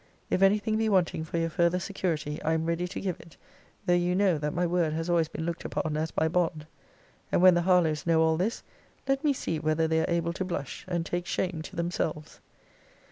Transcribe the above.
If any thing be wanting for your further security, I am ready to give it; though you know, that my word has always been looked upon as my bond. And when the Harlowes know all this, let us see whether they are able to blush, and take shame to themselves.